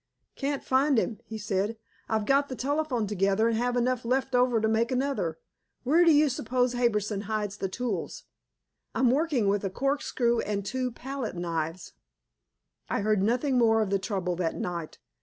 "Can't find him," he said. "I've got the telephone together and have enough left over to make another. Where do you suppose Harbison hides the tools? I'm working with a corkscrew and two palette knives." I heard nothing more of the trouble that night.